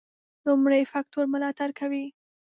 لومړي فکټور ملاتړ کوي.